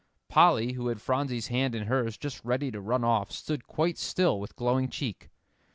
Polly, who had Phronsie's hand in hers, just ready to run off, stood quite still with glowing cheek.